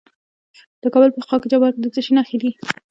د کابل په خاک جبار کې د څه شي نښې دي؟